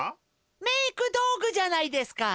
メークどうぐじゃないですか？